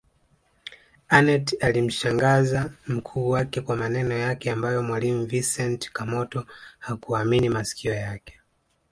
Aneth alimshangaza mkuu wake kwa maneno yake ambayo mwalimu Vincent Kamoto hakuamini masikio yake